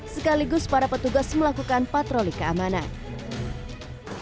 sekaligus para petugas melakukan patroli keamanan